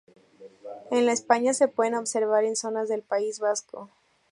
En la España se pueden observar en zonas del País Vasco.